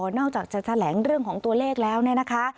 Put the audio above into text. นอกจากจะแถลงเรื่องของตัวเลขแล้วเนี่ยนะคะ